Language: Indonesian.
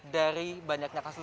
dari banyaknya kasus